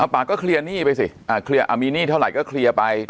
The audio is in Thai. ปากก็เคลียร์หนี้ไปสิเคลียร์มีหนี้เท่าไหร่ก็เคลียร์ไป